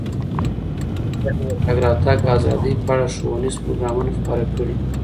ازادي راډیو د د تګ راتګ ازادي په اړه ښوونیز پروګرامونه خپاره کړي.